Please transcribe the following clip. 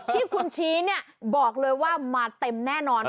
ที่คุณชี้เนี่ยบอกเลยว่ามาเต็มแน่นอน